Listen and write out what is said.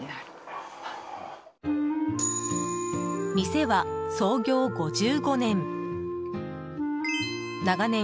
店は創業５５年。